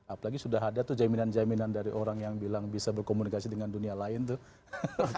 apalagi sudah ada tuh jaminan jaminan dari orang yang bilang bisa berkomunikasi dengan dunia lain tuh